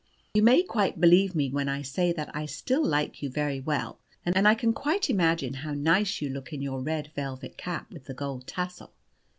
You may quite believe me when I say that I still like you very well, and I can quite imagine how nice you look in your red velvet cap with the gold tassel.